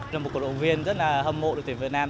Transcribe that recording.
là một cổ động viên rất là hâm mộ đội tuyển việt nam